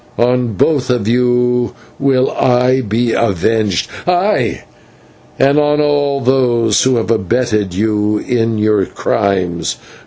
On both of you will I be avenged aye, and on all those who have abetted you in your crimes.